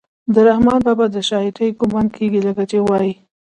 د رحمان بابا د شاعرۍ ګمان کيږي لکه چې وائي: